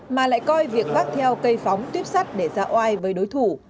mà lại coi việc vác theo cây phóng tuyếp sắt để ra oai với đối thủ